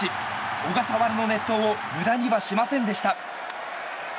小笠原の熱投を無駄にはしませんでした。